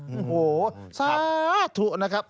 โอ้โหสาธุนะครับ